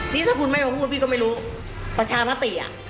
นี่ถ้าคุณไม่มาพูดพี่ก็ไม่รู้ประชามติอ่ะ